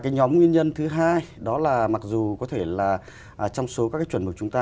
nhóm nguyên nhân thứ hai đó là mặc dù có thể là trong số các chuẩn mực chúng ta